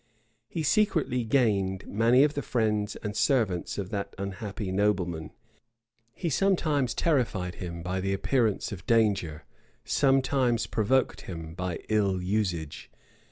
He secretly gained many of the friends and servants of that unhappy nobleman: he sometimes terrified him by the appearance of danger; sometimes provoked him by ill usage.